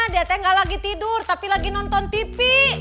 dia tengah lagi tidur tapi lagi nonton tv